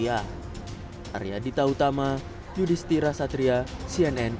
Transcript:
ari adita utama yudhistira satria cnn